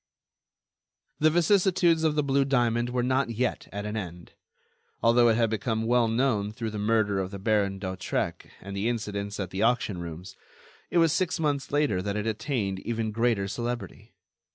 _ The vicissitudes of the blue diamond were not yet at an end. Although it had become well known through the murder of the Baron d'Hautrec and the incidents at the auction rooms, it was six months later that it attained even greater celebrity.